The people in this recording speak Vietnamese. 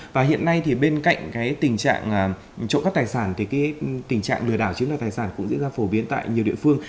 và hiện nay thì bên cạnh tình trạng trộm cắp tài sản thì tình trạng lừa đảo chiếm đoạt tài sản cũng diễn ra phổ biến tại nhiều địa phương